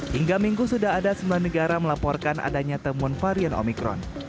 hingga minggu sudah ada sembilan negara melaporkan adanya temuan varian omikron